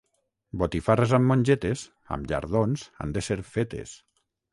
Botifarres amb mongetes, amb llardons han de ser fetes.